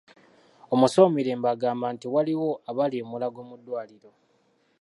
Omusawo Mirembe agamba nti waliwo abali e Mulago mu ddwaliro.